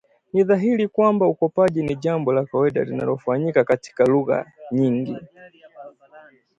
Ni dhahiri kwamba ukopaji ni jambo la kawaida linalofanyika katika lugha nyingi